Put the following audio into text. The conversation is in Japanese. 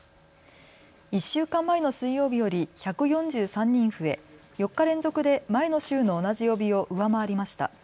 １週間前の水曜日より１４３人増え、４日連続で前の週の同じ曜日を上回りました。